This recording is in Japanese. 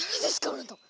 あなた。